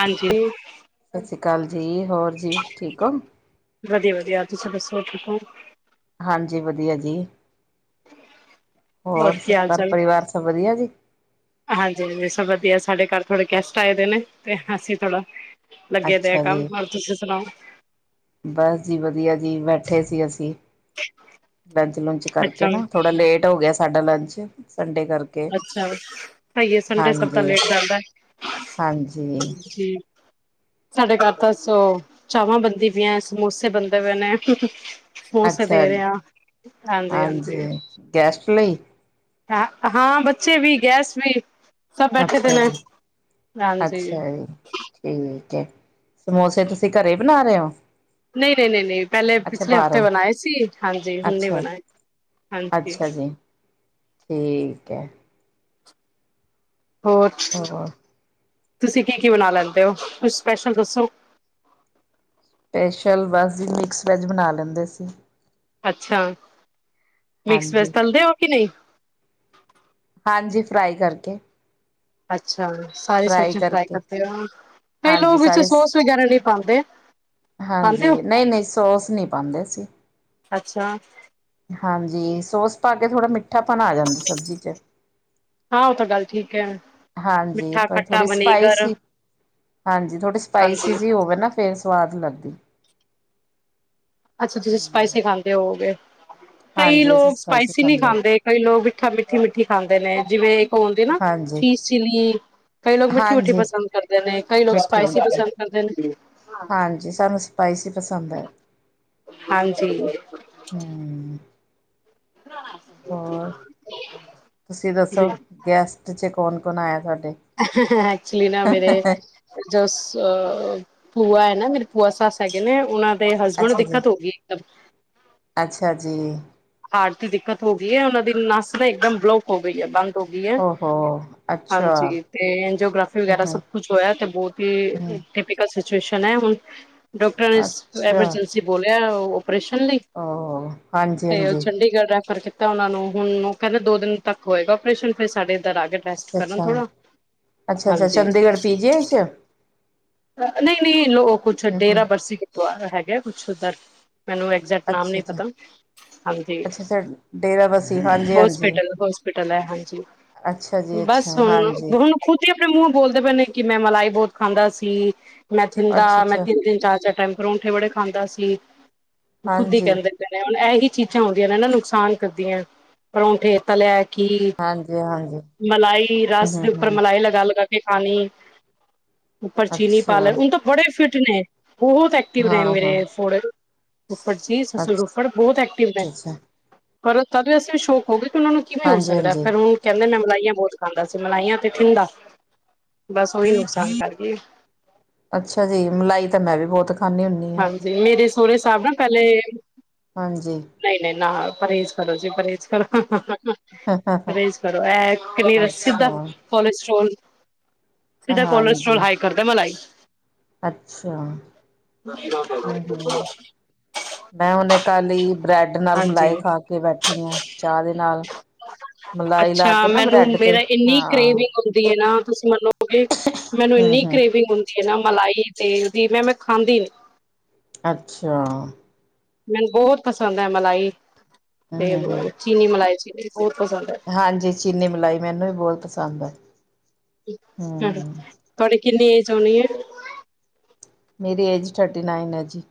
ਹਾਂਜੀ। ਸਤਿ ਸ਼੍ਰੀ ਅਕਾਲ ਜੀ, ਹੋਰ ਜੀ ਠੀਕ ਓ। ਵਧੀਆਂ-ਵਧੀਆ ਤੁਸੀਂ ਦੱਸੋ ਠੀਕ ਓ। ਹਾਂਜੀ ਵਧੀਆ ਜੀ, ਹੋਰ ਕੀ ਹਾਲ ਘਰ ਪਰਿਵਾਰ ਸਭ ਵਧੀਆ ਜੀ। ਹਾਂਜੀ-ਹਾਂਜੀ ਸਭ ਵਧੀਆ, ਸਾਡੇ ਘਰ ਥੋੜੇ ਗੈਸਟ ਆਏ ਦੇ ਨੇ ਤੇ ਅਸੀਂ ਥੋੜ੍ਹਾ, ਲੱਗੇ ਦੇ ਆ ਅੱਛਾ ਕੰਮ, ਜੀ ਹੋਰ ਤੁਸੀਂ ਸੁਣਾਓ। ਬਸ ਜੀ ਵਧੀਆ ਜੀ ਬੈਠੇ ਸੀ ਅਸੀਂ। ਲੰਚ ਲੁਚ ਕਰਕੇ ਅੱਛਾ ਨਾ ਥੋੜਾ ਲੇਟ ਹੋ ਗਿਆ ਸਾਡਾ ਲੰਚ ਸੰਡੇ ਕਰਕੇ, ਅੱਛਾ ਐਈਏ ਸੰਡੇ ਸਭ ਦਾ ਹਾਂਜੀ ਲੇਟ ਜਾਂਦਾ। ਹਾਂਜੀ [unintelligible] ਸਾਡੇ ਘਰ ਤਾਂ ਸ ਚਾਵਾਂ ਬਣਦੀਆਂ ਪਈਆਂ ਸਮੋਸੇ ਬਣਦੇ ਪਏ ਨੇ। ਹ ਸ ਅੱਛਾ ਦੇ ਰਿਆ ਹਾਂਜੀ, ਹਾਂਜੀ। ਗੈਸਟ ਲਈ। ਹ ਹਾਂ ਬੱਚੇ ਵੀ ਗੈਸਟ ਵੀ ਸਭ ਬੈਠੇ ਦੇ ਅੱਛਾ ਨੇ ਜੀ ਹਾਂਜੀ। ਅੱਛਾ ਜੀ ਠੀਕ, ਸਮੋਸੇ ਤੁਸੀਂ ਘਰੇ ਬਣਾ ਰੇ ਓ। ਨਹੀਂ ਨਹੀਂ ਨਹੀਂ ਨਹੀਂ ਪਹਿਲੇ ਪਿਛਲੇ ਹਫ਼ਤੇ ਬਾਹਰੋਂ ਬਣਾਏ ਸੀ। ਹਾਂਜੀ, ਹੁਣ ਨਹੀਂ ਅੱਛਾ ਬਣਾਏ ਹਾਂਜੀ। ਅੱਛਾ ਜੀ ਠੀਕ ਐ। ਹੋਰ ਹਾਂ। ਤੁਸੀਂ ਕੀ ਕੀ ਬਣਾ ਲੈਂਦੇ ਓ। ਕੁਝ ਸਪੈਸ਼ਲ ਦੱਸੋ। ਸਪੈਸ਼ਲ ਬਸ ਜੀ ਮਿਕਸ ਵੈਜ, ਬਣਾ ਲੈਂਦੇ ਸੀ। ਅੱਛਾ ਮਿਕਸ ਵੈਜ ਹਾਂਜੀ ਤਲਦੇ ਓ ਕਿ ਨਈ। ਹਾਂਜੀ ਫਰਾਈ ਕਰਕੇ। ਅੱਛਾ, ਸਾਰੀ ਸਬਜ਼ੀ ਫਰਾਈ ਕਰਦੇ ਰਹਿਣਾ। ਕਈ ਹਾਂਜੀ ਲੋਕ ਵਿੱਚ ਸਾਰੇ ਸੋਸ ਵਗੈਰਾ ਨਹੀਂ ਪਾਉਂਦੇ। ਪਾਉਂਦੇ ਹੋ ਹਾਂਜੀ ਨਹੀਂ-ਨਹੀਂ ਸੋਸ ਨਹੀਂ ਪਾਉਂਦੇ ਅਸੀ। ਅੱਛਾ। ਹਾਂਜੀ, ਸੋਸ ਪਾ ਕੇ ਥੋੜ੍ਹਾ ਮਿੱਠਾ ਪਣ ਆ ਜਾਂਦਾ ਸਬਜ਼ੀ ਚ। ਹਾਂ ਉਹ ਤਾਂ ਗੱਲ ਠੀਕ ਹੈ ਹਾਂਜੀ, ਮਿੱਠਾ ਪਰ ਖੱਟਾ ਥੋੜੀ ਸਪਾਈ ਵਨੇਗਰ ਹਾਂਜੀ, ਥੋੜ੍ਹੀ ਹਾਂਜੀ ਸਪਾਈਸੀ ਹੋਵੇ ਨਾ ਫੇਰ ਸਵਾਦ ਲੱਗਦੀ। ਅੱਛਾ, ਤੁਸੀਂ ਸਪਾਈਸੀ ਖਾਂਦੇ ਹੋਔਗੇ, ਕਈ ਹਾਂਜੀ ਅਸੀਂ ਲੋਕ ਸਪਾਈਸੀ ਨੀਂ ਹਾਂ। ਖਾਂਦੇ। ਕਈ ਲੋਕ ਮਿੱਠਾ ਮਿੱਠੀ-ਮਿੱਠੀ ਖਾਂਦੇ ਨੇ, ਜਿਵੇਂ ਏਕ ਔ ਹੁੰਦੇ ਨਾ ਹਾਂਜੀ ਚੀਸ ਚਿਲੀ। ਕਈ ਲੋਕ ਮਿੱਠੀ-ਮਿੱਠੀ ਹਾਂਜੀ ਪਸੰਦ ਕਰਦੇ ਨੇ। ਕਈ ਲੋਕ ਮਿੱਠੀ ਸਪਾਈਸੀ ਮਿੱਠੀ ਪਸੰਦ ਕਰਦੇ ਨੇ। ਹਾਂਜੀ, ਸਾਨੂੰ ਸਪਾਈਸੀ ਪਸੰਦ ਐ। ਹਾਂਜੀ ਹੁੰ। ਹੋਰ ਤੁਸੀਂ ਜੀ ਦੱਸੋ ਗੈਸਟ 'ਚ ਕੌਨ-ਕੌਨਆਇਆ ਥੋਡੇ? ਐਕਚੁਲੀ ਨਾ ਮੇਰੇ ਜੋ ਅ ਭੂਆ ਹੈ ਨਾ ਮੇਰੇ ਭੂਆ ਸੱਸ ਹੈਗੇ ਨੇ ਉਨਾਂ ਤੇ ਹਸਬੈਂਡ ਨੂੰ ਅੱਛਾ ਜੀ, ਦਿੱਕਤ ਹੋ ਗਏ ਏ, ਇਕਦਮ ਤੇ ਅੱਛਾ ਜੀ। ਹਾਰਟ ਦੀ ਦਿੱਕਤ ਹੋ ਗਈ ਐ, ਔਨਾਂ ਦੀ ਨੱਸ ਤਾਂ ਏਕਦਮ ਬਲੋਕ ਹੋ ਗਈ ਐ। ਔਹੋ! ਹਾਂਜੀ, ਤੇ ਐਨਜਓਗ੍ਰਾਫੀ ਹੂੰ, ਵਗੈਰਾ ਹੂੰ, ਸਭ ਕੁਛ ਹੋਇਆ, ਤੇ ਬੋਤ ਹੂੰ, ਈ ਟਿਪੀਕਲ ਸਿਚੁਏਸ਼ਨ ਐ ਹੁਨ ਡਾਕਟਰਾਂ ਨੇ ਅੱਛਾ ਐਮਰਜੈਂਸੀ ਬੋਲਿਆ ਓਰੇਸ਼ਨ ਲਈ, ਤੇ ਹਾਂ! ਤੇ ਓ ਚੰਡੀਗੜ੍ਹ ਰੈਫਰ ਕੀਤਾ ਓਨਾ ਨੂੰ ਹੁਣ ਓ ਕੈਂਦੇ ਦੋ ਦਿਨ ਤੱਕ ਹੋਏਗਾ ਓਪਰੇਸ਼ਨ, ਫੇਰ ਸਾਡੇ ਏਦਰ ਆਗੇ ਰੈਸਟ ਅੱਛਾ, ਕਰਨ ਅੱਛਾ, ਥੋੜਾ, ਹਾਂਜੀ। ਤੇ 'ਚ ਆ ਨਈ-ਨਈ ਲੋ ਕੁੱਛ ਹੂੰ, ਡੇਰਾ ਬਰਸੀ ਗੁਰਦੁਆਰਾ ਹੈਗਾ ਕੁਛ ਓਦਰ ਮੇਨੂੰ ਐਗਜੈਕਟ ਨਾਮ ਅੱਛਾ, ਨੀ ਅੱਛਾ। ਪਤਾ ਹਾਂਜੀ, ਅੱਛਾ, ਅੱਛਾ ਡੇਰਾ ਬਸੀ ਹਾਂਜੀ, ਹਾਂਜੀ। ਹੋਸਪਿਟਲ ਹੋਸਪ ਪੀਟਰਸ ਐ ਹਾਂਜੀ ਅੱਛਾ ਜੀ, ਅੱਛਾ ਬਸ, ਹੁਨ ਹਾਂਜੀ, ਹੁਨ ਖੁਦ ਈ ਆਪਣੇ ਮੂੰਔ ਬੋਲਦੇ ਪਏ ਨੇ, ਕਿ ਮੈਂ ਮਲਾਈ ਬੌਤ ਖਾਂਦਾ ਸੀ ਮੈਂ ਅੱਛਾ, ਥਿੰਦਾ ਮੈਂ ਅੱਛਾ ਤਿੰਨ-ਤਿੰਨ, ਚਾਰ-ਚਾਰ ਟਾਈਮ ਪਰੌਂਠੇ ਬੜੇ ਖਾਂਦਾ ਸੀ, ਖੁੱਦ ਈ ਹਾਂਜੀ। ਕੈਂ ਹੁਣ ਐਹੀ ਚੀਜ਼ਾਂ ਹੁੰਦੀਆਂ ਨੇ ਹਨਾ, ਨੁਕਸਾਨ ਕਰਦੀਆਂ, ਪਰੌਠੇ, ਤਲੇਆ ਖੀਰ, ਹਾਂਜੀ, ਹਾਂਜੀ, ਮਲਾਈ ਹੂੰ, ਰਸ ਹੂੰ, ਦੇ ਉੱਪਰ ਹੂੰ, ਮਲਾਈ ਲਗਾ-ਲਗਾ ਕੇ ਖਾਣੀ। ਉੱਪਰ ਚੀਨੀ ਪਾ ਅੱਛਾ ਲੈਨੀ, ਉ ਓ ਤਾਂ ਬੜੇ ਫਿਟ ਨੇ, ਬਹੋਤ ਐਕਟਿਵ ਨੇ ਹਾਂ, ਹਾਂ ਮੇਰੇ ਫੋੜੇ ਫੁਫੜ ਜੀ ਸਸੂਰ ਅੱਛਾ। ਫੁਫੜ ਬੌਤ ਐਕਟਿਵ ਨੇ, ਅੱਛਾ, ਅੱਛਾ ਪਰ ਤਦ ਵੀ ਵੈਸੇ ਵੀ ਸ਼ੌਕ ਹੋ ਗੇ ਕਿ ਓਨਾਂ ਨੂੰ ਕਿਵੇਂ ਹੋ ਹਾਂਜੀ, ਸਕਦੈ, ਹਾਂਜੀ। ਫੇਰ ਹੁਨ ਕੈਂਦੇ ਮੈਂ ਮਲਾਈਆਂ ਬੌਤ ਖਾਂਦਾ ਸੀ, ਮਲਾਈਆਂ ਤੇ ਠੰਡਾ। ਬਸ, ਓਈ ਨੁਕਸਾਨ ਕਰਗੇ। ਅੱਛਾ ਜੀ, ਮਲਾਈ ਤਾਂ ਮੈਂ ਵੀ ਬੌਤ ਖਾਂਦੀ ਆਂ। ਹਾਂਜੀ, ਮੇਰੀ ਸੋਰੇ ਸਾਬ ਨਾ ਪੈਲੇ ਹਾਂਜੀ। ਨਈ-ਨਈ ਨਾ ਪਰਹੇਜ ਕਰੋ ਜੀ, ਪਰਹੇਜ ਕਰੋ। ਪਰੇਜ ਕਰੋ, ਐ ਕਿੰਨੀ ਰ ਸਿਦਾ ਅੱਛਾ ਕੋਲੇਸਟਰੋਲ ਹਾਂਜੀ, ਅੱਛਾ। [unintelligible] ਹੂੰ-ਹੂੰ। ਮੈਂ ਹੁੰਨੇ ਕੱਲ ਈ ਬ੍ਰੈਡ ਨਾਲ ਹਾਂਜੀ ਮਲਾਈ ਖਾ ਕੇ ਬੈਠੀ ਆਂ, ਚਾਅ ਦੇ ਨਾਲ। ਮਲਾਈ ਲਾ ਅੱਛਾ, ਕੇ ਨਾ ਮੈਨੂੰ ਬ੍ਰੈਡ ਤੇ ਮੇਰਾ ਐਨੀ ਹਾਂ ਕਰੇਵਿੰਗ ਹੁੰਦੀ ਏਨਾ ਤੁਸੀਂ ਮੰਨੋਗੇ ਮੈਨੂੰ ਹੂੰ ਏਨੀ ਹੂੰ ਕਰੇਵਿੰਗ ਹੁੰਦੀ ਐਨਾ ਮਲਾਈ, ਤੇਲ ਦੀ ਮੈਂ ਖਾਂਦੀ ਨੀ। ਅੱਛਾ। ਮੈਨੂੰ ਬਹੋਤ ਪਸੰਦ ਐ ਮਲਾਈ, ਤੇ ਹੂੰ ਹੂੰ ਚੀਨੀ ਮਲਾਈ ਚੀਨੀ ਬੌਤ ਪਸੰਦ ਐ। ਹਾਂਜੀ, ਚੀਨੀ ਮਲਾਈ ਮੈਨੂੰ ਵੀ ਬੌਤ ਪਸੰਦ ਐ। ਤੁਆਡੀੇ ਕਿੰਨੀ ਏਜ ਹੋਣੀ ਐ? ਮੇਰੀ ਏਜ ਥਰਟੀ ਨਾਈਨ ਏ ਜੀ।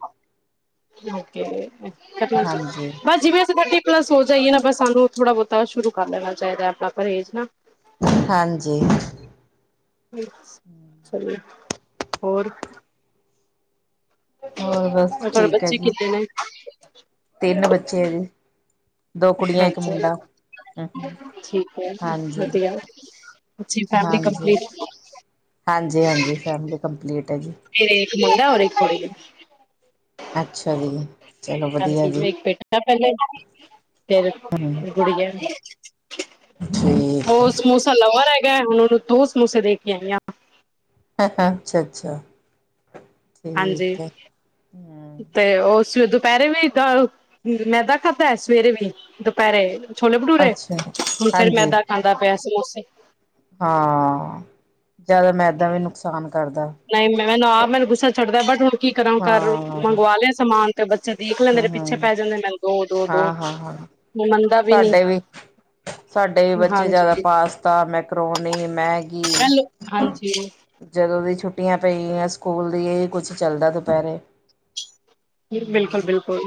ਓਕੇ, ਅੱਜ ਵੀ ਹਾਂਜੀ ਥਿਰ ਪਲੱਸ ਹੋ ਜਾਈਏ ਨਾ ਬ ਸਾਨੂੰ ਥੋੜਾ ਬਹੁਤਾ ਸ਼ੁਰੂ ਕਰ ਲੈਣਾ ਚਾਈਦਾ ਆਪਣਾ ਪਰਹੇਜ ਨਾ। ਹਾਂਜੀ। ਹੋਰ? ਹੋਰ ਬਸ ਤੁਹਾਡੇ ਠੀਕ ਐ ਜੀ। [unintelligible] ਤਿੰਨ ਬੱਚੇ ਨੇ। ਅੱਛਾ ਹਾਂਜੀ ਠੀਕ ਐ ਹਾਂਜੀ ਵਦੀਆ। ਜੀ ਫੈਮਿਲੀ ਕੰਪਲੀਟ ਹਾਂਜੀ-ਹਾਂਜੀ ਫੈਮਲੀ ਕੰਪਲੀਟ ਐ ਜੀ। ਮੇਰੇ ਇਕ ਮੁੰਡਾ ਔਰ ਇਕ ਕੁੜੀ। ਅੱਛਾ ਜੀ। ਚਲੋ ਵਧੀਆ ਹਾਂਜੀ ਜੀ। ਇੱਕ ਬੈਟਾ ਪੈਲੇ ਫਿਰ, ਹੂੰ, ਗੁੜੀਆਂ। ਠੀਕ ਐ। ਓ ਸਮੋਸਾ ਲਵਰ ਹੈਗੈ ਹੁਣ ਓਨੂੰ ਦੋ ਸਮੋਸੇ ਦੇ ਕੇ ਆਈ ਆ। ਅੱਛਾ-ਅੱਛਾ। ਹਾਂਜੀ। ਠੀਕ ਐ। ਹੂੰ, ਤੇ ਓ ਸ ਦੁਪੈਰੇ ਵੀ ਪਿਆ ਮੈਦਾ ਖਾਦਾ ਐ ਸਵੇਰੇ ਵੀ, ਦੁਪੈਰੇ ਛੋਲੇ ਭਟੂਰੇ, ਅੱਛਾ। ਹੁਣ ਫੇਰ ਹਾਂਜੀ, ਮੈਦਾ ਖਾਂਦਾ ਪਿਆ ਸਮੋਸੇ। ਹਾਂ ਜਾਦਾ ਮੈਦਾ ਵੀ ਨੁਕਸਾਨ ਕਰ ਦਾ। ਨਹੀਂ ਮ ਮੈਨੂੰ ਆਪ ਗੁੱਸਾ ਚੜਦਾ ਬਟ ਹੁਣ ਕੀ ਕਰਾਂ ਘਰ ਹਾਂ, ਮੰਗਵਾ ਲਿਆ ਸਮਾਨ। ਤੇ ਬੱਚੇ ਦੇਖ ਲੈਂਦੇ ਪਿੱਛੇ ਹੂੰ-ਹੂੰ, ਪੈ ਜਾਂਦੇ ਮੈਨੂੰ ਦੋ, ਦੋ, ਦੋ। ਹਾਂ-ਹਾਂ-ਹਾਂ। ਮੰਨਦਾ ਨੀ ਸਾਡੇ ਵੀ ਸਾਡੇ ਵੀ ਬੱਚੇ ਜਿਆਦਾ ਹਾਂਜੀ ਪਾਸ ਤਾ ਮੈਕਰੋਨੀ ਮੈਗੀ ਹੈਲੋ, ਹਾਂਜੀ ਜਦੋਂ ਦੀ ਛੁੱਟੀਆਂ ਪਈਆਂ ਸਕੂਲ ਦੀ ਇਹੀ ਕੁਝ ਚੱਲਦਾ ਦੁਪਹਿਰੇ। ਹੂੰ, ਬਿਲਕੁਲ-ਬਿਲਕੁਲ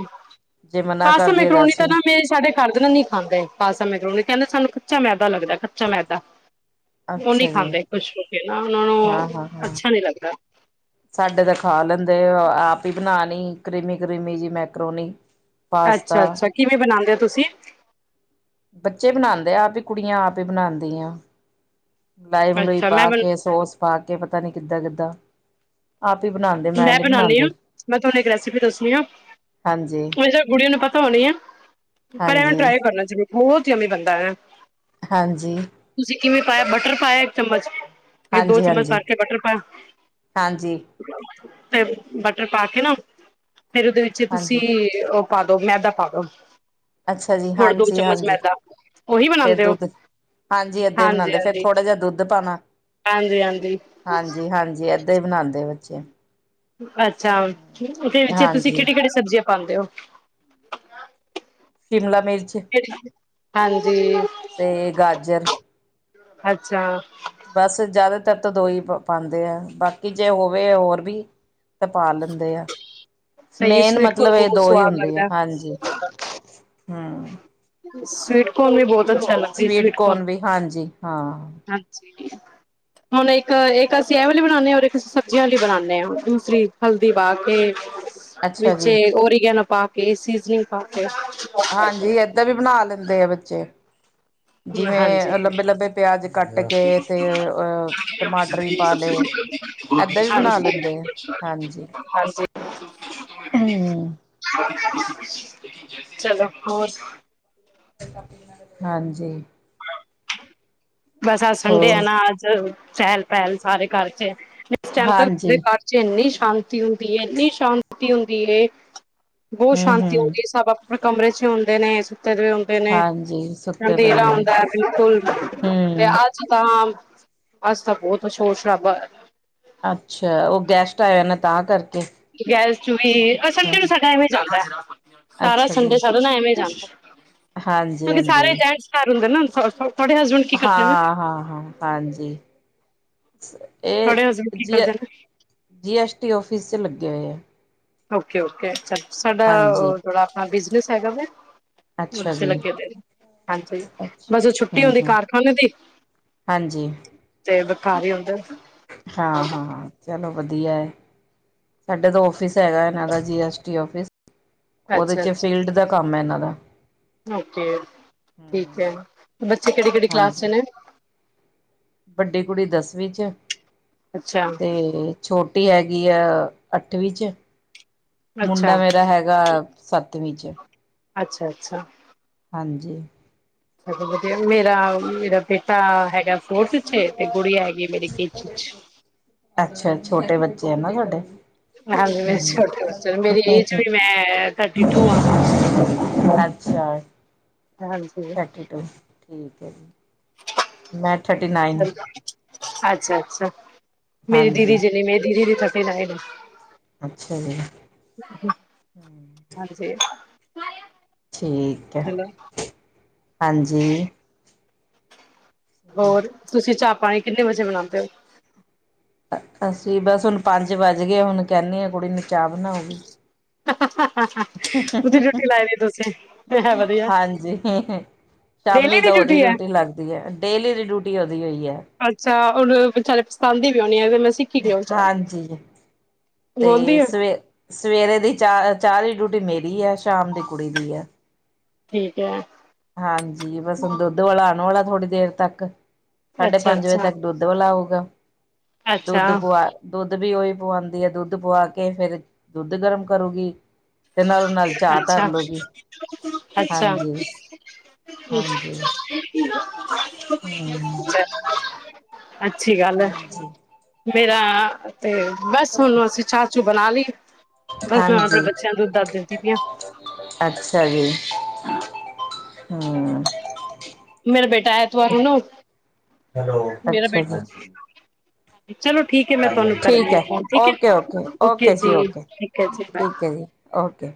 ਜੇ ਮਨਾ ਪਸਤਾ ਕਰਦੀਏ ਮਕਰੋਣੀ ਤਾਂ ਅਸੀਂ ਵ ਸਾਡੇ ਘਰਦੇ ਨਹੀਂ ਖਾਂਦੇ ਪਾਸਤਾ ਮਕਰੋਨ ਕਹਿੰਦੇ ਸਾਨੂੰ ਕੱਚਾ ਮੈਦਾ ਲੱਗਦਾ ਕੱਚਾ ਮੈਦਾ। ਉਹ ਨਹੀਂ ਅੱਛਾ ਜੀ, ਖਾਂਦੇ ਖੁਸ਼ ਹੋ ਕੇ ਨਾ ਨਾ ਹਾਂ-ਹਾਂ-ਹਾਂ। ਅੱਛਾ ਨੀ ਲੱਗਦਾ। ਸਾਡੇ ਤਾਂ ਖਾ ਲੈਂਦੇ ਆਪ ਹੀ ਬਣਾਲੀ ਕਰੀਮੀ ਕਰੀਮੀ ਜਿ ਮੈਕਰੋਨੀ। ਪਾਸਤਾ ਅੱਛਾ-ਅੱਛਾ ਕਿਵੇਂ ਬਣਾਉਂਦੇ ਹੋ ਤੁਸੀਂ? ਬੱਚੇ ਬਣਦੇ ਆ ਆਪ ਹੀ ਕੁੜੀਆਂ ਆਪ ਹੀ ਬਣਾਦੀਆ। ਮਲਾਈ, ਮਲੁਈ ਅੱਛਾ ਮੈਂ ਪਾ ਬਣ ਕੇ ਸੋਸ ਪਾ ਕੇ ਪਤਾ ਨੀ ਕਿੱਦਾਂ, ਕਿੱਦਾਂ ਆਪ ਹੀ ਬਣਾ ਮੈਂ ਬਣਨੀ ਏ, ਮੈਂ ਤੁਹਾਨੂੰ ਇੱਕ ਰੈਸਿਪੀ ਦੱਸਣੀ ਆ ਹਾਂਜੀ ਹੋ ਸਕਦਾ ਗੁੜੀਆਂ ਨੂੰ ਪਤਾ ਹੋਣੀ ਏ ਪਰ ਐਵੇਂ ਹਾਂਜੀ ਟਰਾਈ ਕਰਨਾ ਜ਼ਰੂਰ ਬਹੁਤ ਯੁੰਮੀ ਬਣਦਾ ਏ। ਹਾਂਜੀ। ਤੁਸੀਂ ਕਿਵੇਂ ਪਾਇਆ ਬਟਰ ਪਾਇਆ ਇੱਕ ਚਮਚ? ਦੋ ਹਾਂਜੀ ਚਮਚ ਹਾਂਜੀ ਪਾਕੇ ਬਟਰ ਪਾਇਆ। ਹਾਂਜੀ ਤੇ ਬਟਰ ਪਾ ਕੇ ਨਾ ਫੇਰ ਉਹਦੇ ਵਿੱਚ ਤੁਸੀਂ ਹਾਂਜੀ ਉਹ ਪਾ ਦੋ ਮੈਂਦਾਾਂ ਪਾ ਦੋ। ਅੱਛਾ ਜੀ। ਥੋੜੇ ਦੋ ਚਮਚ ਹਾਂਜੀ-ਹਾਂਜੀ ਮੈਦਾ ਉਹੀ ਫਿਰ ਬਣਾਉਂਦੇ ਹੋ ਦੁੱਧ ਹਾਂਜੀ, ਏਦਾ ਬਣਾਦੇ ਫੇਰ ਥੋੜਾ ਜਿਹਾ ਦੁੱਧ ਪੰਨਾ ਹਾਂਜੀ ਹਾਂਜੀ ਹਾਂਜੀ- ਹਾਂਜੀ। ਤੇ ਬਣਾਦੇ ਬੱਚੇ। ਅੱਛਾ, ਉਹਦੇ ਵਿੱਚ ਤੁਸੀਂ ਹਾਂਜੀ ਕਿਹੜੀ-ਕਿਹੜੀ ਸਬਜ਼ੀਆਂ ਪਾਂਦੇ ਹੋ। ਸ਼ਿਮਲਾ ਮਿਰਚ ਹਾਂਜੀ। ਤੇ ਗਾਜਰ ਅੱਛਾ। ਬਸ ਜ਼ਿਆਦਾਤਰ ਤਾਂ ਦੋ ਹੀ ਪਾਉਂਦੇ ਆ ਬਾਕੀ ਜੇ ਹੋਵੇ ਹੋਰ ਵੀ ਤਾਂ ਪਾ ਲੈਂਦੇ ਆ। ਸਹੀ ਮੇਨ ਸਵੀਟ ਕੋਨ ਮਤਲਬ ਇਹ ਬਹੁਤ ਦੋ ਹੀ ਸਵਾਦ ਹੁੰਦੇ ਆ ਲੱਗਦਾ ਹਾਂਜੀ ਹਮ। ਸਵੀਟਕੋਨ ਵੀ ਬਹੁਤ ਅੱਛਾ ਲੱਗਦੀ ਸਵੀਟ ਸਵੀਟਕੋਨ ਕੋਨ ਵੀ ਹਾਂਜੀ ਹਾਂ ਹ [unintelligible] ਹੁਣ ਇੱਕ ਇੱਕ ਅਸੀਂ ਇਹ ਵਾਲੀ ਬਣਾਉਦੇ ਹਾਂ ਔਰ ਅਸੀਂ ਸਬਜ਼ੀਆਂ ਵਾਲੀ ਬਣਾਉਂਦੇ ਹਾਂ ਦੂਸਰੀ ਹਲਦੀ ਪਾ ਕੇ ਅੱਛਾ ਵਿੱਚੇ ਜੀ ਓਰੀਗੈਨੌ ਪਾ ਕੇ ਸੀਜਨਿੰਗ ਪਾ ਕੇ ਹਾਂਜੀ ਏਦਾਂ ਵੀ ਬਣਾ ਲੈਂਦੇ ਆ ਬੱਚੇ। ਜਿਵੇਂ ਹਾਂਜੀ ਲੰਬੇ ਲੰਬੇ ਪਿਆਜ ਕੱਟ ਕੇ ਤੇ ਅਹ ਟਮਾਟਰ ਵੀ ਪਾ ਲਏ ਏਦਾਂ ਵੀ ਬਣਾ ਲੈਂਦੇ ਆ ਹਾਂਜੀ। ਹਾਂਜੀ ਹਮ ਚਲੋ ਹੋਰ? ਹਾਂਜੀ। ਬਸ ਅੱਜ ਸੰਡੇ ਆ ਹੋਰ ਨਾ ਅੱਜ ਚਹਿਲ ਪਹਿਲ ਸਾਰੇ ਘਰ ਚ ਹਾਂਜੀ ਇੰਨੀ ਸ਼ਾਂਤੀ ਹੁੰਦੀ ਏ ਇੰਨੀ ਸ਼ਾਂਤੀ ਹੁੰਦੀ ਏ ਬਹੁਤ ਹਮ ਸ਼ਾਂਤੀ ਹਮ ਹਉਂਦੀ ਏ ਸਭ ਆਪਣੇ ਕਮਰੇ ਚ ਹੀ ਹੁੰਦੇ ਨੇ ਸੁੱਤੇ ਦੇ ਨੇ ਹਾਂਜੀ ਸੁੱਤੇ ਪਏ ਅੰਧੇਰਾ ਹੁੰਦੇ ਹਉਂਦਾ ਬਿਲਕੁਲ। ਤੇ ਹਮ ਅੱਜ ਤਾਂ ਅੱਜ ਤਾਂ ਬਹੁਤ ਸ਼ੋਰਸ਼ਰਾਭਾ ਹੋਇਆ। ਅੱਛਾ ਉਹ ਗੈਸਟ ਆਇ ਹੋਏ ਨੇ ਤਾਂ ਕਰਕੇ? ਗੈਸਟ ਵੀ ਹਾਂ ਹਾਂ ਇਵੇਂ ਜਾਂਦਾ ਸਾਰਾ ਸੰਡੇ ਨਾ ਸਾਡਾ ਐਵੇਂ ਜਾਂਦਾ ਹਾਂਜੀ ਕਿਉਂਕਿ ਸਾਰੇ ਹਾਂਜੀ ਗੈਸਟ ਘਰ ਹੁੰਦੇ ਨੇ ਨਾ ਤੁਹਾਡੇ ਹਸ ਹਾਂ ਹਾਂ ਹਾਂ ਹਾਂਜੀ। ਇਹ ਜੀ ਜੀ ਐਸ ਟੀ ਔਫਿਸ ਚ ਲੱਗੇ ਹੋਏ ਆ। ਓਕੇ ਓਕੇ ਸਾਡਾ ਹਾਂਜੀ ਉਹ ਥੋੜਾ ਆਪਣਾ ਬਿਜਨਸ ਹੈਗਾ ਵੇ। ਅੱਛਾ ਜੀ [unintelligible] ਹਾਂਜੀ ਅੱਛਾ ਬਸ ਓੁਹ ਛੁੱਟੀ ਹੂੰ ਹੁੰਦੀ ਹੂੰ ਕਾਰਖਾਨੇ ਦੀ ਹਾਂਜੀ। ਤੇ [unintelligible] ਹਾਂ ਹਾਂ ਹਾਂ ਚਲੋ ਵਧੀਆ ਹੈ। ਸਾਡੇ ਦੋ ਆਫਿਸ ਹੈਗਾ ਇਹਨਾਂ ਦਾ ਜੀ ਐਸ ਟੀ ਆਫਿਸ ਉਹਦੇ ਅੱਛਾ ਚ ਅੱਛਾ ਫੀਲਡ ਦਾ ਕੰਮ ਹੈ ਇਹਨਾਂ ਦਾ। ਓਕੇ ਠੀਕ ਹੂੰ ਹੈ ਬੱਚੇ ਕਿਹੜੀ ਕਿਹੜੀ ਕਲਾਸ ਚ ਹਾਂਜੀ ਨੇ? ਵੱਡੀ ਕੁੜੀ ਦਸਵੀਂ ਚ ਅੱਛਾ ਤੇ ਛੋਟੀ ਹੈਗੀ ਆ ਅੱਠਵੀਂ ਚ। ਮੁੰਡਾ ਅੱਛਾ ਮੇਰਾ ਹੈਗਾ ਸੱਤਵੀਂ ਚ। ਅੱਛਾ ਅੱਛਾ। ਹਾਂਜੀ। [unintelligible] ਵਧੀਆ ਮੇਰਾ ਮੇਰਾ ਬੇਟਾ ਹੈ ਫੋਰਥ ਚ ਏ ਤੇ ਗੁਡੀਆਂ ਹੈਗੀ ਮੇਰੀ ਕੇਜੀ ਚ। ਅੱਛਾ ਛੋਟੇ ਬੱਚੇ ਹੈ ਨਾ ਤੁਹਾਡੇ। ਹਾਂਜੀ ਮੇਰੇ ਛੋਟੇ ਬੱਚੇ ਨੇ ਮੇਰੀ ਏਜ ਵੀ [unintelligible] ਮੈਂ ਥਰਟੀ ਟੂ ਆ [unintelligible] ਹਾਂਜੀ। ਚਲੋ ਥਰਟੀ ਟੂ ਠੀਕ ਹੈ ਜੀ। ਮੈਂ ਥਰਟੀ ਨਾਈਨ ਅੱਛਾ, ਅੱਛਾ। ਮੇਰੀ ਦੀਦੀ ਹਾਂਜੀ। ਜਨੀ, ਮੇਰੀ ਦੀਦੀ ਦੀ ਵੀ ਥਾਡੇ ਨਾਇਨ। ਅੱਛਾ ਜੀ। ਹਾਂਜੀ। ਠੀਕ ਹੈ, ਚਲੋ ਹਾਂਜੀ। ਹੋਰ, ਤੁਸੀਂ ਚਾਹ-ਪਾਣੀ ਕਿੰਨੇ ਵਜੇ ਬਣਾਉਂਦੇ ਹੋ? ਅਸੀਂ, ਬਸ ਹੁਣ ਪੰਜ ਵੱਜ ਗਏ ਹੁਣ ਕਹਿੰਦੀ ਹਾਂ ਕੁੜੀ ਨੂੰ, ਚਾਅ ਬਣਾਉਗੀ। ਉਹਦੀ ਡਿਊਟੀ ਲਾਈ ਦੀ ਤੁਸੀਂ ਹੈ ਵਧੀਆ ਹਾਂਜੀ। ਸ਼ਾਮੀ ਡੇਲੀ ਦੀ ਤਾਂ, ਉਹਦੀ ਹੈ ਡਿਊਟੀ ਲੱਗਦੀ ਹੈ। ਡੇਲੀ ਦੀ ਡਿਊਟੀ, ਉਹਦੀ ਹੋਈ ਹੈ। ਅੱਛਾ, ਉਹਨੂੰ ਵਿਚਾਰੇ ਪਛਤਾਂਦੀ ਵੀ ਆਉਣੀ ਆ, ਮੈਂ ਸਿੱਖ ਹਾਂਜੀ, ਬੋਲਦੀ ਤੇ ਹੈ ਸਵੇ ਸਵੇਰੇ ਦੀ ਚਾਹ, ਚਾਹ ਦੀ ਡਿਊਟੀ ਮੇਰੀ ਆ, ਸ਼ਾਮ ਦੀ ਕੁੜੀ ਦੀ ਆ। ਠੀਕ ਹੈ। ਹਾਂਜੀ, ਬਸ ਹੁਣ ਦੁੱਧ ਵਾਲਾ ਆਉਣ ਵਾਲਾ ਥੋੜੀ ਦੇਰ ਤੱਕ, ਸਾਢੇ ਅੱਛਾ ਪੰਜ ਵਜੇ ਅੱਛਾ ਤੱਕ ਦੁੱਧ ਵਾਲਾ ਆਉਗਾ। ਅੱਛਾ ਦੁੱਧ ਪਵਾ ਦੁੱਧ ਵੀ ਉਹੀ ਪਵਾਉਂਦੀ ਹੈ। ਦੁੱਧ ਪਆ ਕੇ ਫੇਿਰ, ਦੁੱਧ ਗਰਮ ਕਰੂਗੀ। ਤੇ ਨਾਲੋਂ ਨਾਲ, ਚਾਹ ਅੱਛਾ ਧਰਲੋਗੀ। ਅੱਛਾ। ਹਾਂਜੀ ਹਮ ਅੱਛੀ ਗੱਲ ਹੈ। ਹਾਂਜੀ ਮੇਰਾ ਤੇ, ਬਸ ਹੁਣੂੰ ਅਸੀਂ ਚਾਹ-ਚੂ ਬਣਾ ਲਈ, ਬਸ ਮੈਂ ਹੁਣ ਆਪਣੇ ਹਾਂਜੀ ਬੱਚਿਆਂ ਦੁੱਧ ਦਾ ਦਿੰਦੀ ਪਆਂ। ਅੱਛਾ ਜੀ, ਹਮ। ਮੇਰਾ ਬੇਟਾ ਐਤਵਾਰ ਨੂੰ ਨਾ ਅੱਛਾ। ਹਾਂ। ਚਲੋ ਠੀਕ ਹੈ ਮੈਂ ਤੁਹਾਨੂੰ ਕਰਦੀ ਠੀਕ ਆ ਹੈ ਫੋਨ, ਠੀਕ ਓਕੇ ਹੈ, ਓਕੇ ਜੀ, ਓਕੇ ਠੀਕ ਹੈ ਜੀ, ਬਾ ਠੀਕ ਹੈ ਜੀ ਓਕੇ।